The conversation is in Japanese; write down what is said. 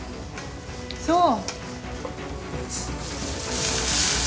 そう。